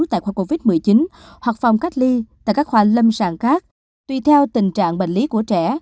tại khoa covid một mươi chín hoặc phòng cách ly tại các khoa lâm sàng khác tuy theo tình trạng bệnh lý của trẻ